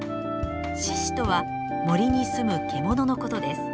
「しし」とは森にすむ獣のことです。